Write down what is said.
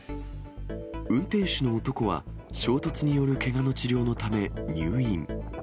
運転手の男は、衝突によるけがの治療のため入院。